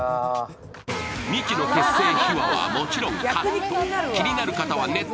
ミキの結成秘話はもちろんカット。